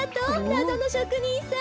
なぞのしょくにんさん。